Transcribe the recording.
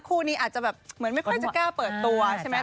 คู่นี้อาจจะแบบเหมือนไม่ค่อยจะกล้าเปิดตัวใช่ไหม